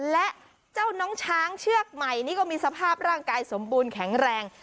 และเจ้าน้องช้างเชือกใหม่นี่ก็มีสภาพร่างกายสมบูรณ์แข็งแรง